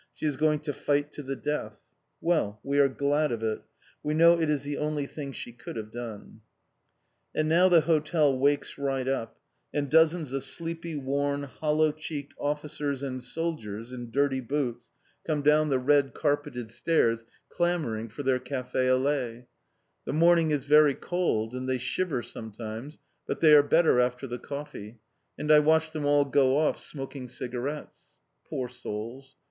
She is going to fight to the death. Well, we are glad of it! We know it is the only thing she could have done! And now the hotel wakes right up, and dozens of sleepy, worn, hollow cheeked officers and soldiers in dirty boots come down the red carpeted stairs clamouring for their café au lait. The morning is very cold, and they shiver sometimes, but they are better after the coffee and I watch them all go off smoking cigarettes. Poor souls!